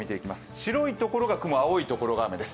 白いところが雲青い所が雨です。